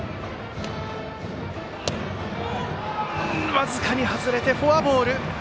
僅かに外れてフォアボール。